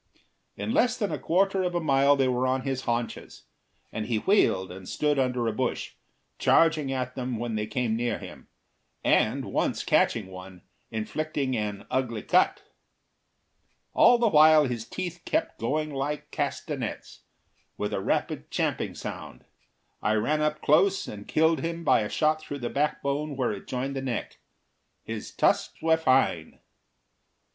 In less than a quarter of a mile they were on his haunches, and he wheeled and stood under a bush, charging at them when they came near him, and once catching one, inflicting an ugly cut. All the while his teeth kept going like castanets, with a rapid champing sound. I ran up close and killed him by a shot through the backbone where it joined the neck. His tusks were fine.